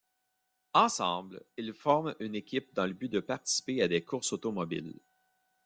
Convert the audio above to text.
Ensemble, ils forment une équipe dans le but de participer à des courses automobiles.